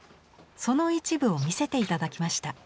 その一部を見せて頂きました。